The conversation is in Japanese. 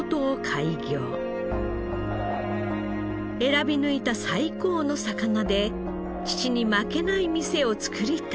選び抜いた最高の魚で父に負けない店を作りたい。